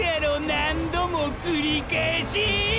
何度もォ繰り返しィ！！